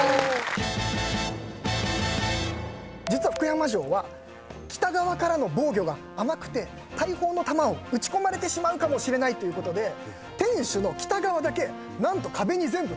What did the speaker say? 実は福山城は北側からの防御が甘くて大砲の弾を撃ち込まれてしまうかもしれないということで天守の北側だけ何と壁に全部鉄板が張られてたんですよ。